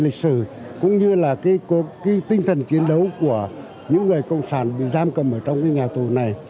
lịch sử cũng như là cái tinh thần chiến đấu của những người cộng sản bị giam cầm ở trong nhà tù này